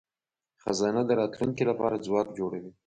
خزانه د راتلونکي لپاره ځواک جوړوي.